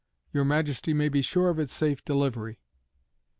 Your Majesty may be sure of its safe delivery."